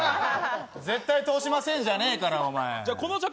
絶対通しませんじゃないから。